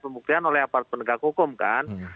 pembuktian oleh aparat penegak hukum kan